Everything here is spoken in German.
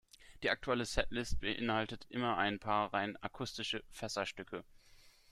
Die aktuelle Setlist beinhaltet immer ein paar rein akustische „Fässer-Stücke“.